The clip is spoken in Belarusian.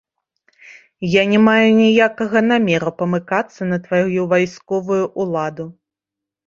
Я не маю ніякага намеру памыкацца на тваю вайсковую ўладу.